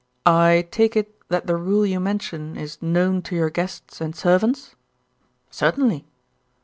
"I take it that the rule you mention is known to your guests and servants?" "Certainly."